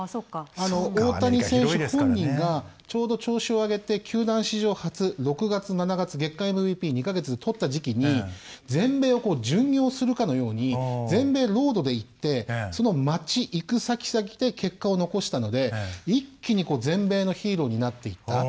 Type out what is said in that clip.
大谷選手本人がちょうど調子を上げて球団史上初６月７月月間ＭＶＰ２か月でとった時期に全米を巡業するかのように全米ロードで行ってその町行くさきざきで結果を残したので一気に全米のヒーローになっていった。